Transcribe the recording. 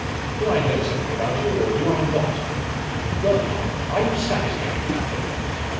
Do I know something about you, or do I not? Well, now, are you satisfied with that paper?